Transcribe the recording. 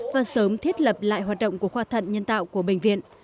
và sớm thiết lập lại hoạt động của khoa thận nhân tạo của bệnh viện